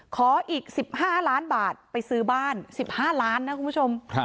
ขออีก๑๕ล้านบาทไปซื้อบ้าน๑๕ล้านนะคุณผู้ชม